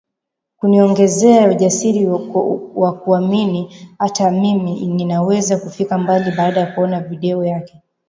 kuniongezea ujasiri wa kuamini hata mimi ninaweza kufika mbali baada ya kuona video yake